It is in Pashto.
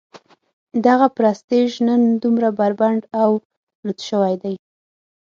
دغه پرستیژ نن دومره بربنډ او لوڅ شوی دی.